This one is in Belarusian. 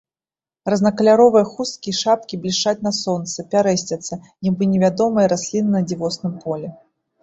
Рознакаляровыя хусткі і шапкі блішчаць на сонцы, пярэсцяцца, нібы невядомыя расліны на дзівосным полі.